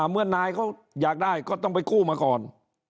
เมื่อนายเขาอยากได้ก็ต้องไปกู้มาก่อน